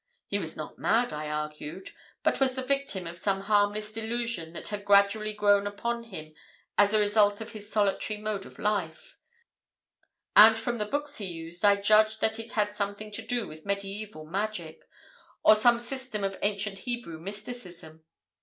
He was not mad, I argued, but was the victim of some harmless delusion that had gradually grown upon him as a result of his solitary mode of life; and from the books he used, I judged that it had something to do with mediæval magic, or some system of ancient Hebrew mysticism.